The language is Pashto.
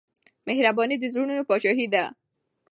مهرباني د زړونو پاچاهي ده.